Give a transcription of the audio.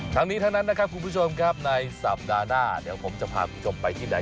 ทั้งนี้ทั้งนั้นนะครับคุณผู้ชมครับในสัปดาห์หน้าเดี๋ยวผมจะพาคุณผู้ชมไปที่ไหน